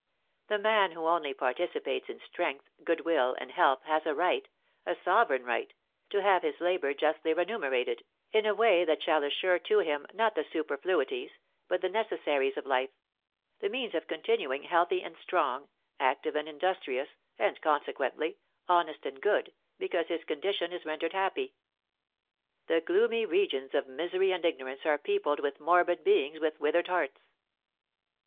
The man who only participates in strength, good will, and health has a right a sovereign right to have his labour justly remunerated, in a way that shall assure to him not the superfluities, but the necessaries of life, the means of continuing healthy and strong, active and industrious, and, consequently, honest and good, because his condition is rendered happy. The gloomy regions of misery and ignorance are peopled with morbid beings with withered hearts.